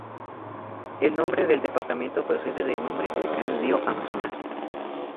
El nombre del departamento procede del nombre del gran río Amazonas.